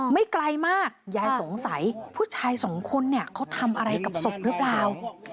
ไม่ไกลมากยายสงสัยผู้ชายสองคนเนี่ยเขาทำอะไรกับศพหรือเปล่า